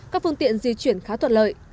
các phương tiện di chuyển khá thuận lợi